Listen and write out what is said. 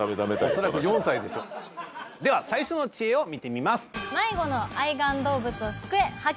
恐らく４歳でしょでは最初の知恵を見てみます